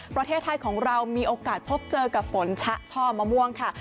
ประเทศไทยของเรามีโอกาสพบเจอกับฝนชะช่อมะม่วงค่ะ